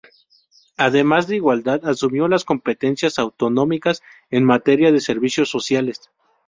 Además de igualdad asumió las competencias autonómicas en materia de servicios sociales.